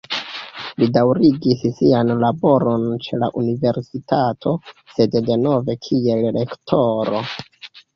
Li daŭrigis sian laboron ĉe la universitato, sed denove kiel lektoro.